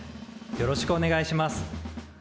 よろしくお願いします。